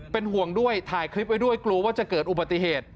เป็นห่วงด้วยถ่ายคลิปไว้ด้วยกลัวว่าจะเกิดอุบัติเหตุ